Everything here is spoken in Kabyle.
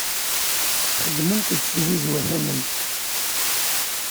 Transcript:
Xeddment-d tzizwa tamemt.